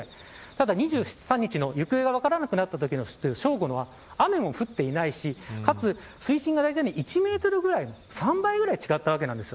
ただ２３日の行方が分からなくなったときの正午は雨も降っていないし水深がだいだい１メートルぐらい３倍ぐらい違った形なんです。